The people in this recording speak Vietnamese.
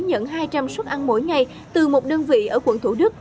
nhận hai trăm linh xuất ăn mỗi ngày từ một đơn vị ở quận thu đức